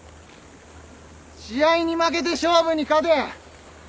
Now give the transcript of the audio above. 試合に負けて勝負に勝て！